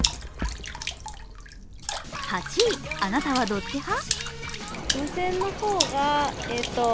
８位、あなたはどっち派？